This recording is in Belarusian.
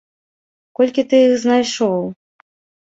Колькі ты іх знайшоў?